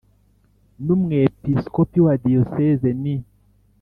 n Umwepiskopi wa Diyoseze ni